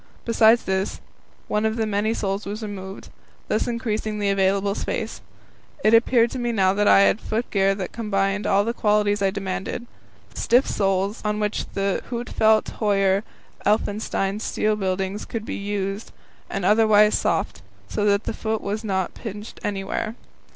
Besides this, one of the many soles was removed, thus increasing the available space. It appeared to me that now I had foot gear that combined all the qualities I demanded stiff soles, on which Huitfeldt Höyer Ellefsen ski bindings could be used, and otherwise soft, so that the foot was not pinched anywhere.